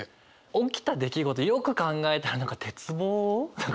起きた出来事よく考えたら何か鉄棒を。